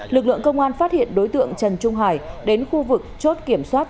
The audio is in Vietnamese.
lực lượng công an phát hiện đối tượng trần trung hải đến khu vực chốt kiểm soát